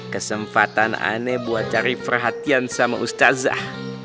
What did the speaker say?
kesempatan aneh buat cari perhatian sama ustazah